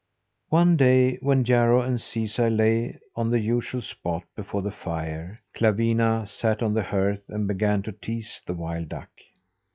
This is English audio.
One day, when Jarro and Caesar lay on the usual spot before the fire, Clawina sat on the hearth and began to tease the wild duck.